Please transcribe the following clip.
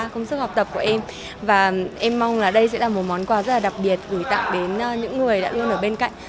công sức học tập của em và em mong là đây sẽ là một món quà rất là đặc biệt gửi tặng đến những người đã luôn ở bên cạnh